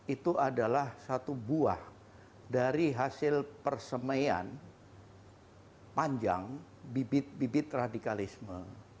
itu adalah satu buah dari hasil persemaian panjang bibit bibit radikalisme